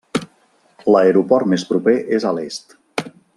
L'aeroport més proper és a l'est.